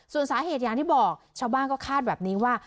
ส่วนสาเหตุอย่างที่บอกชาวบ้านก็คาดแบบนี้ว่า